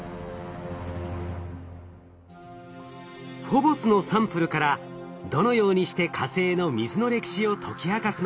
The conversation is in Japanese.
フォボスのサンプルからどのようにして火星の水の歴史を解き明かすのか？